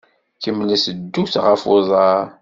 Kemmlet ddut ɣef uḍaṛ.